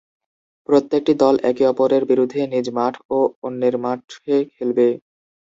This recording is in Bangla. প্রত্যেকটি দল একে-অপরের বিরুদ্ধে নিজ মাঠ ও অন্যের মাঠে খেলবে।